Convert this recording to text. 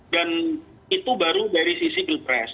dan itu baru dari sisi pilpres